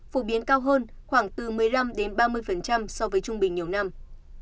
phổ biến cao hơn khoảng từ một mươi năm ba mươi so với trung bình nhiều năm